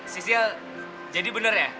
sisil jadi bener ya